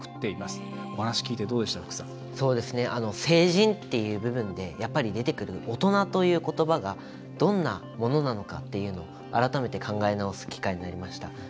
成人っていう部分でやっぱり出てくる「大人」ということばがどんなものなのかっていうのを改めて考え直す機会になりました。